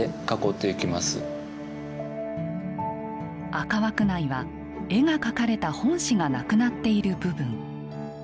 赤枠内は絵が描かれた本紙がなくなっている部分。